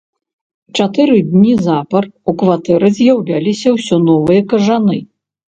Чатыры дні запар у кватэры з'яўляліся ўсё новыя кажаны.